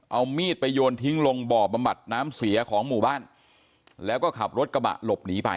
เอามีดไปโยนทิ้งลงบ่อบำบัดน้ำเสียของหมู่บ้านแล้วก็ขับรถกระบะหลบหนีไป